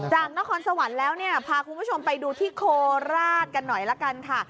นครสวรรค์แล้วเนี่ยพาคุณผู้ชมไปดูที่โคราชกันหน่อยละกันค่ะ